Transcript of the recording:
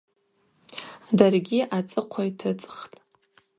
Даргьи ацӏыхъва йтыцӏхтӏ.